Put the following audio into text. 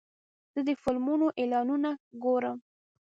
زه د فلمونو اعلانونه ګورم.